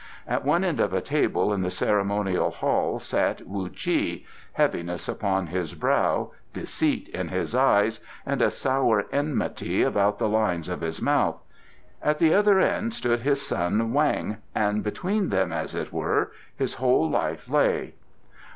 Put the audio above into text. At one end of a table in the ceremonial hall sat Wu Chi, heaviness upon his brow, deceit in his eyes, and a sour enmity about the lines of his mouth; at the other end stood his son Weng, and between them, as it were, his whole life lay.